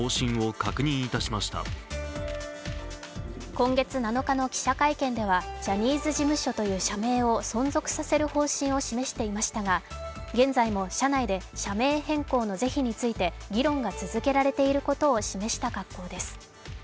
今月７日の記者会見では、ジャニーズ事務所という社名を存続させる方針を示していましたが、現在も社内で社名変更の是非について議論が続けられていることを示した格好です。